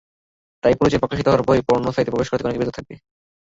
তাই পরিচয় প্রকাশিত হওয়ার ভয়ে পর্নো সাইটে প্রবেশ থেকে অনেকে বিরত থাকবে।